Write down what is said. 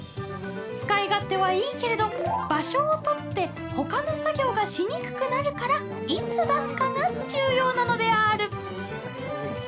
使い勝手はいいけれど場所を取ってほかの作業がしにくくなるからいつ出すかが重要なのである！